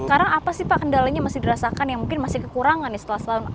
sekarang apa sih pak kendalanya masih dirasakan yang mungkin masih kekurangan setelah selama ini